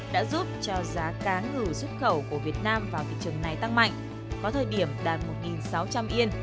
đã giúp cho giá cá ngừ xuất khẩu của việt nam vào thị trường này tăng mạnh có thời điểm đạt một sáu trăm linh yên